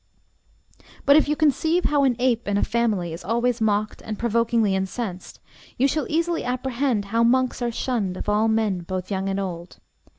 But if you conceive how an ape in a family is always mocked and provokingly incensed, you shall easily apprehend how monks are shunned of all men, both young and old.